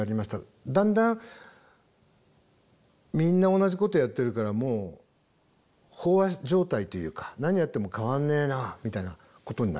だんだんみんな同じことやってるからもう飽和状態というか何やっても変わんねえなみたいなことになります。